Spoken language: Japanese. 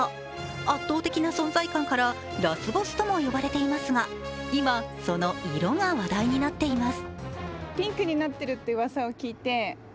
圧倒的な存在感からラスボスとも呼ばれていますが今、その色が話題になっています。